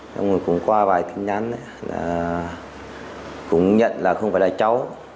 rồi mình cũng qua vài tin nhắn cũng nhận là không phải là cháu